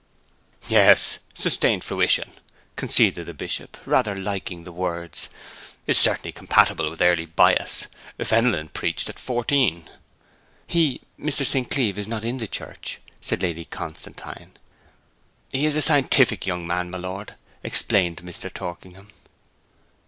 'Yes; sustained fruition,' conceded the Bishop (rather liking the words), 'is certainly compatible with early bias. Fenelon preached at fourteen.' 'He Mr. St. Cleeve is not in the church,' said Lady Constantine. 'He is a scientific young man, my lord,' explained Mr. Torkingham.